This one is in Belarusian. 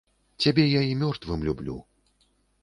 Цябе я і мёртвым люблю!